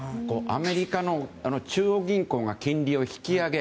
アメリカの中央銀行が金利を引き上げ